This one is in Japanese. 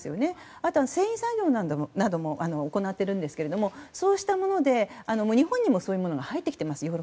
あとは繊維作業なども行ってるんですけどそうしたもので日本にもそうしたものが入ってきています。